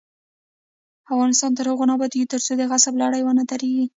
افغانستان تر هغو نه ابادیږي، ترڅو د غصب لړۍ ونه دریږي.